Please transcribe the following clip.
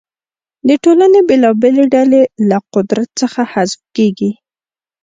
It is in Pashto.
د ټولنې بېلابېلې ډلې له قدرت څخه حذف کیږي.